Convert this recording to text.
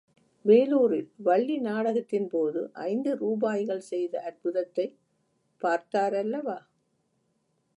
வேலூரில் வள்ளி நாடகத்தின்போது ஐந்து ரூபாய்கள் செய்த அற்புதத்தைப் பார்த்தாரல்லவா?